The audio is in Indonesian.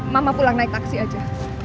mama pulang naik taksi aja